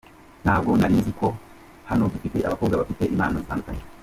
"Ntabwo nari nzi ko hano dufite abakobwa bafite impano zitandukanye.